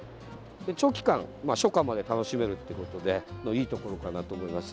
長期間、まあ初夏まで楽しめるっていうことでいいところかなと思います。